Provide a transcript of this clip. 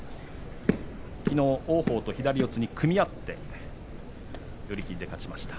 きのう王鵬と左四つに組み合って寄り切りで勝ちました。